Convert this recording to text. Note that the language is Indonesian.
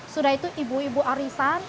sudah itu ibu ibu arisan